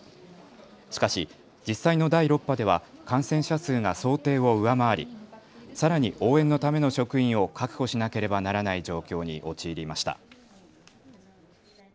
しかし実際の第６波では感染者数が想定を上回りさらに応援のための職員を確保しなければならない状況に陥りました。